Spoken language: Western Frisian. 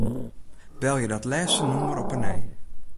Belje dat lêste nûmer op 'e nij.